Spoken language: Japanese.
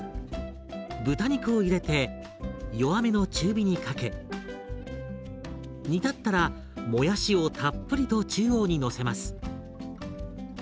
豚肉を入れて弱めの中火にかけ煮立ったらもやしをたっぷりと中央にのせます。